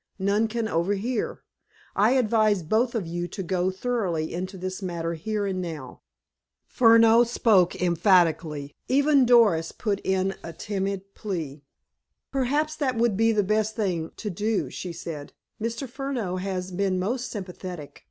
None can overhear. I advise both of you to go thoroughly into this matter here and now." Furneaux spoke emphatically. Even Doris put in a timid plea. "Perhaps that would be the best thing to do," she said. "Mr. Furneaux has been most sympathetic.